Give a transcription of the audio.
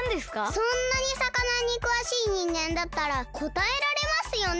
そんなにさかなにくわしいにんげんだったらこたえられますよね？